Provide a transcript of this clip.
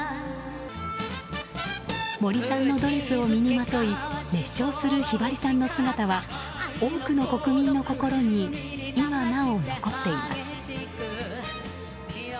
森さんのドレスを身にまとい熱唱する、ひばりさんの姿は多くの国民の心に今なお残っています。